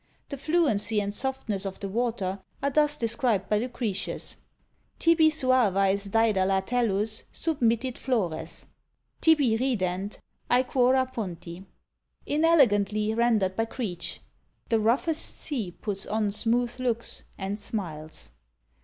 The fluency and softness of the water are thus described by Lucretius: Tibi suaveis DÃḊdala tellus Submittit flores: tibi RIDENT ÃḊquora ponti. Inelegantly rendered by Creech, The roughest sea puts on smooth looks, and SMILES.